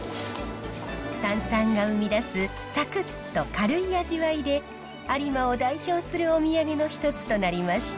炭酸が生み出すサクッと軽い味わいで有馬を代表するお土産の一つとなりました。